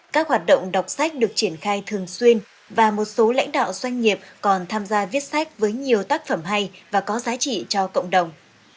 các hoạt động đọc sách được triển khai thường xuyên và một số lãnh đạo doanh nghiệp còn tham gia viết sách với nhiều tác phẩm hay và có giá trị cho cộng đồng